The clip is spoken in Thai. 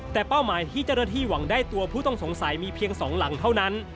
แต่เป้าหมายที่เจ้าหน้าที่หวังได้ตัวผู้ต้องสงสัยมีเพียง๒หลังเท่านั้น